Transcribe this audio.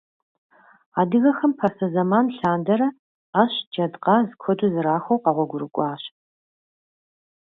Адыгэхэм пасэ зэман лъандэрэ Ӏэщ, джэдкъаз куэду зэрахуэу къэгъуэгурыкӀуащ.